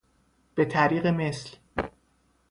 بطریق مثل